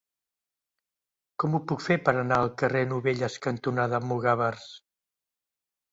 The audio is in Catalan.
Com ho puc fer per anar al carrer Novelles cantonada Almogàvers?